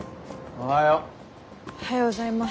おはようございます。